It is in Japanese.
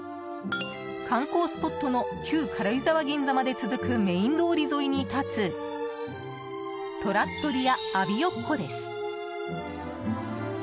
観光スポットの旧軽井沢銀座まで続くメイン通り沿いに立つトラットリア・アビオッコです。